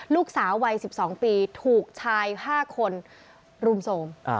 ลูกสาววัยสิบสองปีถูกชายห้าคนรุมโทรม